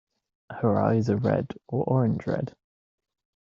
Her eyes are red or orange-red.